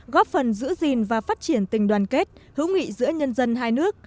góp phần giữ gìn và phát triển tình đoàn kết hữu nghị giữa nhân dân hai nước